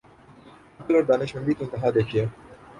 عقل اور دانشمندی کی انتہا دیکھیے۔